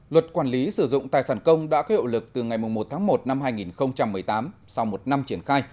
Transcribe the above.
luật quản lý sử dụng tài sản công đã có hiệu lực từ ngày một tháng một năm hai nghìn một mươi tám sau một năm triển khai